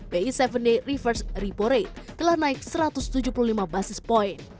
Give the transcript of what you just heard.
bi tujuh day reverse repo rate telah naik satu ratus tujuh puluh lima basis point